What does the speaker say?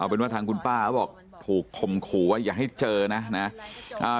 เป็นว่าทางคุณป้าเขาบอกถูกคมขู่ว่าอย่าให้เจอนะนะอ่า